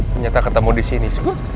ternyata ketemu disini